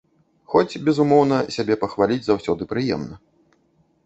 Хоць, безумоўна, сябе пахваліць заўсёды прыемна.